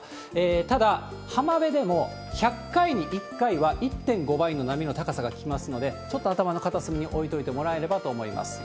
ただ、浜辺でも１００回に１回は１．５倍の波の高さが来ますので、ちょっと頭の片隅に置いといてもらえればと思います。